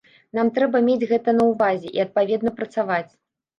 Нам трэба мець гэта на ўвазе і адпаведна працаваць.